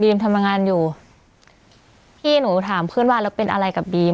ทำงานอยู่พี่หนูถามเพื่อนว่าเราเป็นอะไรกับบีม